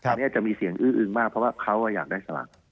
อันนี้จะมีเสียงอื้ออึงมากเพราะว่าเขาอยากได้สลาก